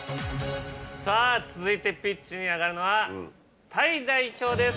さぁ続いてピッチに上がるのはタイ代表です。